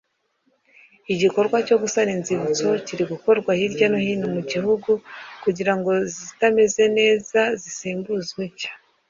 igikorwa cyo gusana inzibutso kiri gukorwa hirya no hino mu gihigu kugira ngo izitameze neza zisimbuzwe inshya